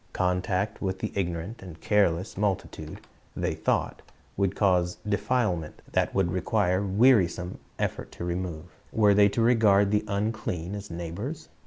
Contact with the ignorant and careless multitude, they taught, would cause defilement that would require wearisome effort to remove. Were they to regard the "unclean" as neighbors?